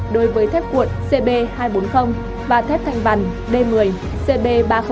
đối với thép cuộn cb hai trăm bốn mươi và thép thanh vằn d một mươi cb ba trăm linh